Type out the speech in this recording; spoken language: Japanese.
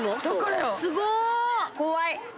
・怖い！